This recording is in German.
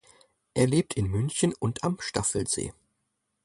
Er lebt in München und am Staffelsee.